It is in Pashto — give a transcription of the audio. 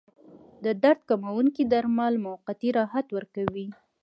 د درد کموونکي درمل موقتي راحت ورکوي.